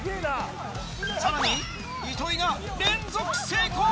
さらに糸井が連続成功。